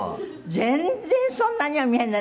全然そんなには見えない。